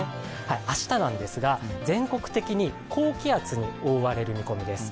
明日なんですが、全国的に高気圧に覆われる見込みです。